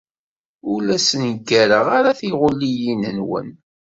Ur la ssengareɣ ara tiɣuliyin-nwen.